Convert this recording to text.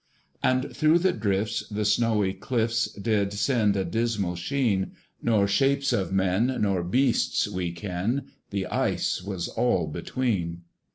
And through the drifts the snowy clifts Did send a dismal sheen: Nor shapes of men nor beasts we ken The ice was all between.